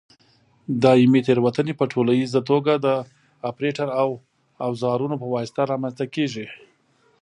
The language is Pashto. دایمي تېروتنې په ټولیزه توګه د اپرېټر او اوزارونو په واسطه رامنځته کېږي.